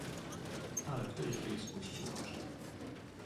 "Ale w tej chwili spuścił oczy."